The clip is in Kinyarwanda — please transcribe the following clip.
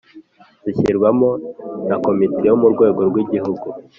zishyirwaho na comite yo murwego rw’igihugu